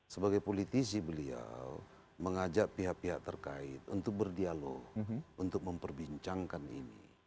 sebagai politisi beliau mengajak pihak pihak terkait untuk berdialog untuk memperbincangkan ini